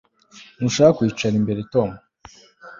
Ntushaka kwicara imbere Tom